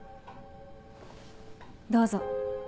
どうぞ。